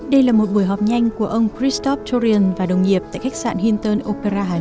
đây là một buổi họp nhanh của ông christop tourian và đồng nghiệp tại khách sạn hinton opera hà nội